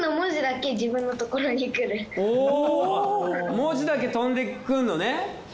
文字だけ飛んでくるのね。